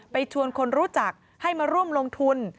ชวนคนรู้จักให้มาร่วมลงทุน